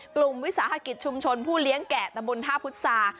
วิสาหกิจชุมชนผู้เลี้ยงแก่ตะบนท่าพุษา